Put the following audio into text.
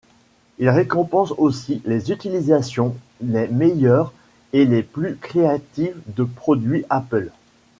Il récompense aussi les utilisations les meilleures et les plus créatives de produits Apple.